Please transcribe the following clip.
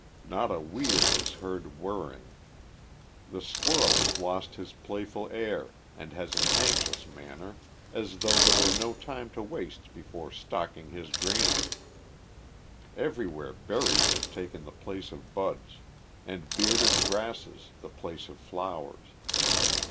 Not a wheel is heard whirring. The squirrel has lost his playful air, and has an anxious manner, as though there were no time to waste before stocking his granary. Everywhere berries have taken the place of buds, and bearded grasses the place of flowers.